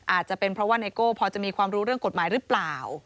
อาจจะเป็นเพราะว่าไนโก้พอจะมีความรู้เรื่องกฎหมายหรือเปล่า